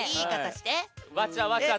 わちゃわちゃと。